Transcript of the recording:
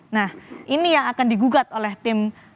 nah ini yang akan digugat oleh tim